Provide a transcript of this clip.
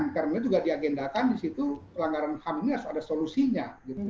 karena itu juga diagendakan di situ pelanggaran ham ini harus ada solusinya